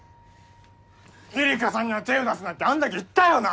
ゆりかさんには手を出すなってあんだけ言ったよな！